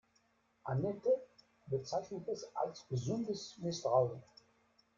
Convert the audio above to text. Anette bezeichnet es als gesundes Misstrauen.